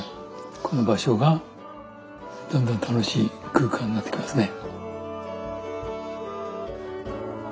この場所がだんだん楽しい空間になってきますね。